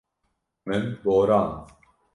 Min borand.